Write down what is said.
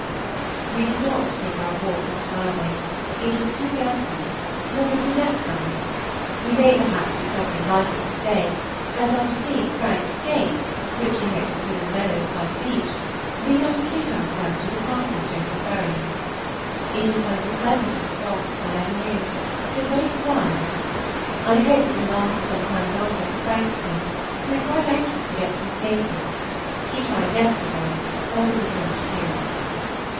We did not take our walk on Friday, it was too dirty, nor have we yet done it; we may perhaps do something like it to day, as after seeing Frank skate, which he hopes to do in the meadows by the beech, we are to treat ourselves with a passage over the ferry. It is one of the pleasantest frosts I ever knew, so very quiet. I hope it will last some time longer for Frank's sake, who is quite anxious to get some skating; he tried yesterday, but it would not do.